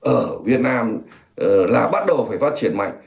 ở việt nam là bắt đầu phải phát triển mạnh